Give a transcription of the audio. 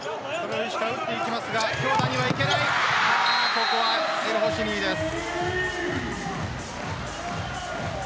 ここはエルホシニーです。